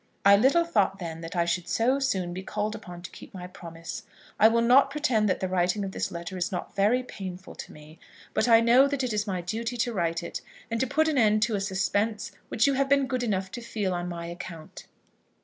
I little thought then that I should so soon be called upon to keep my promise. I will not pretend that the writing of this letter is not very painful to me; but I know that it is my duty to write it, and to put an end to a suspense which you have been good enough to feel on my account.